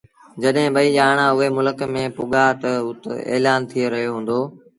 جڏهيݩ ٻئيٚ ڄآڻآݩ اُئي ملڪ ميݩ پُڳآ تا اُت ايلآݩ ٿئي رهيو هُݩدو